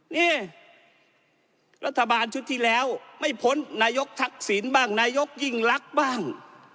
นี่รัฐบาลชุดที่แล้วไม่พ้นนายกทักษิณบ้างนายกยิ่งลักษณ์บ้าง